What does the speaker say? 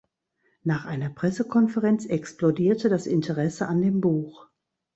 Nach einer Pressekonferenz explodierte das Interesse an dem Buch.